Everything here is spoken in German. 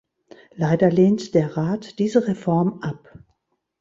Leider lehnt der Rat diese Reform ab.